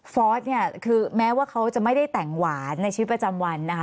อสเนี่ยคือแม้ว่าเขาจะไม่ได้แต่งหวานในชีวิตประจำวันนะคะ